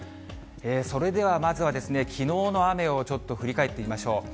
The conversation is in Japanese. それではまずは、きのうの雨をちょっと振り返ってみましょう。